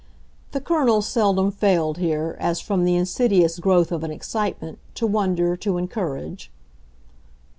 The Colonel seldom failed here, as from the insidious growth of an excitement, to wonder, to encourage.